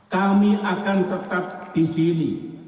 kami akan tetap di sini